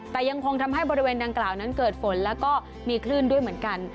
แต่ยังคงทำให้บริเวณดังกล่าวนั้นเกิดฝนแล้วก็มีคลื่นด้วยเหมือนกัน